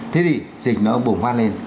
thế thì dịch nó bùng phát lên